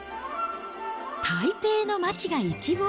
台北の街が一望。